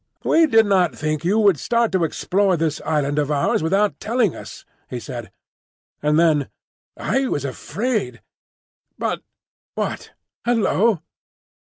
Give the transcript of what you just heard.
"We did not think you would start to explore this island of ours without telling us," he said; and then, "I was afraid—But—what—Hullo!"